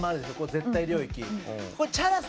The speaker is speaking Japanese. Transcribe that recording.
絶対領域。